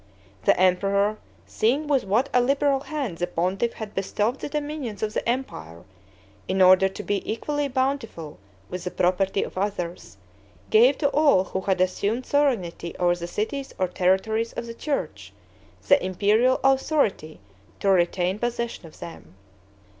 The emperor, seeing with what a liberal hand the pontiff had bestowed the dominions of the empire, in order to be equally bountiful with the property of others, gave to all who had assumed sovereignty over the cities or territories of the church, the imperial authority to retain possession of them.